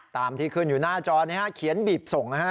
ตามที่ขึ้นอยู่หน้าจอนี้เขียนบีบส่งนะฮะ